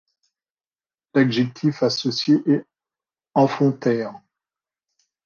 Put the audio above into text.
L'adjectif associé est amphotère.